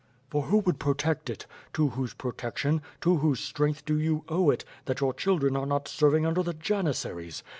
For who would protect it? To whose protection, to whose strength do you owe it, that your children are not serving under the janissaries?